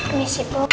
ini sih bu